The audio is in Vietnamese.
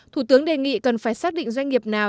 thủ tướng đề nghị cần phải xác định doanh nghiệp nào